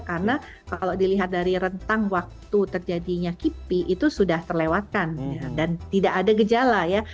karena kalau dilihat dari rentang waktu terjadinya kipi itu sudah terlewatkan dan tidak ada gejala ya